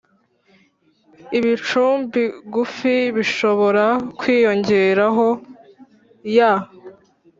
Ibicumbi gufi bishobora kwiyongeraho ya